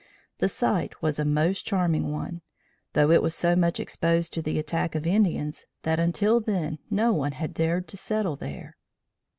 The site was a most charming one, though it was so much exposed to the attack of Indians that until then no one had dared to settle there.